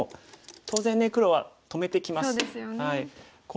当然ね黒は止めてきます。